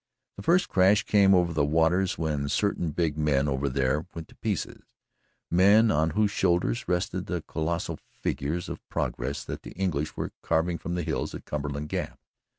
The first crash came over the waters when certain big men over there went to pieces men on whose shoulders rested the colossal figure of progress that the English were carving from the hills at Cumberland Gap.